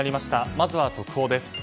まずは速報です。